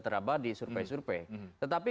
terabah di survei survei tetapi